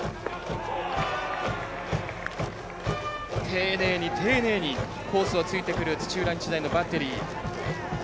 丁寧に丁寧にコースをついてくる土浦日大のバッテリー。